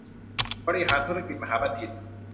บริหารธุรกิจมหาบัณฑิต